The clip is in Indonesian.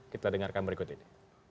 kita dengarkan berikut ini